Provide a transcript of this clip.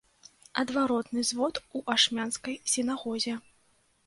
Адваротны звод у ашмянскай сінагозе.